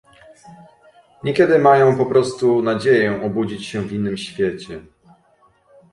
Niekiedy mają po prostu nadzieję obudzić się w innym świecie